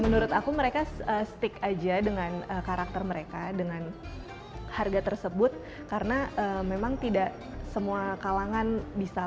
menurut aku mereka tetap setuju dengan karakter mereka dan harga mereka karena memang tidak semua kalangan bisa pakai